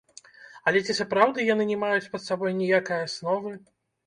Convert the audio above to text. Але ці сапраўды яны не маюць пад сабой ніякай асновы?